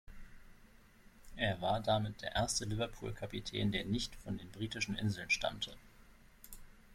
Er war damit der erste Liverpool-Kapitän, der nicht von den Britischen Inseln stammte.